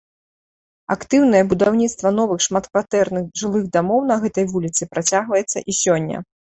Актыўнае будаўніцтва новых шматкватэрных жылых дамоў на гэтай вуліцы працягваецца і сёння.